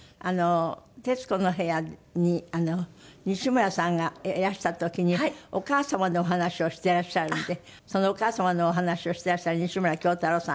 『徹子の部屋』に西村さんがいらした時にお母様のお話をしていらっしゃるんでそのお母様のお話をしていらっしゃる西村京太郎さん